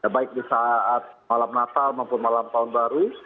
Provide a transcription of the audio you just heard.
baik di saat malam natal maupun malam tahun baru